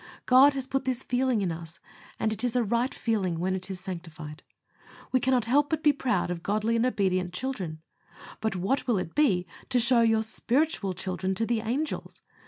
God has put this feeling in us, and it is a right feeling when it is sanctified. We cannot help but be proud of godly and obedient children; but what will it be to show your spiritual children, to the angels?